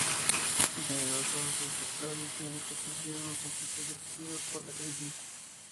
En general, todos los sectores químicos sufrieron los ajustes exigidos por la crisis.